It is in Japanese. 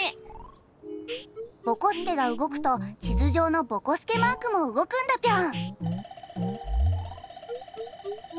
ぼこすけがうごくとちずじょうのぼこすけマークもうごくんだピョン。